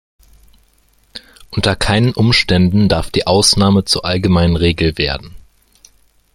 Unter keinen Umständen darf die Ausnahme zur allgemeinen Regel werden.